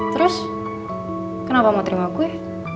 terus kenapa mau terima kue